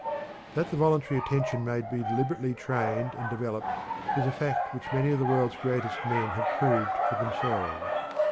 That the voluntary attention may be deliberately trained and developed is a fact which many of the world's greatest men have proved for themselves.